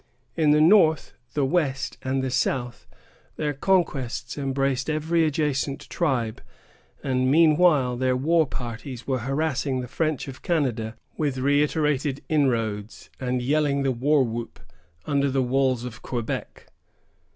In the north, the west, and the south, their conquests embraced every adjacent tribe; and meanwhile their war parties were harassing the French of Canada with reiterated inroads, and yelling the war whoop under the walls of Quebec.